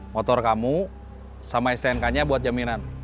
motor kamu sama stnk nya buat jaminan